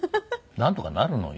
なんとかなるのよ。